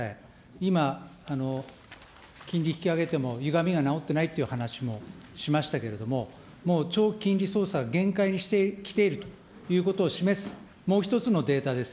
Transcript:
今、金利引き上げてもゆがみが直ってないという話をしましたけれども、もう長期金利操作、限界に来ているということを示す